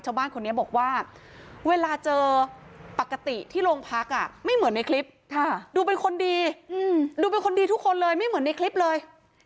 ชาวบ้านคนนี้บอกว่าเวลาเจอปกติที่โรงพักไม่เหมือนในคลิปดูเป็นคนดีดูเป็นคนดีทุกคนเลยไม่เหมือนในคลิปเลย